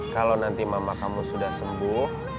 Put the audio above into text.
kalau nanti mama kamu sudah sembuh